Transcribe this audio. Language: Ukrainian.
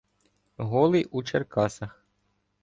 Голий у Черкасах